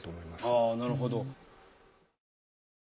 あなるほど。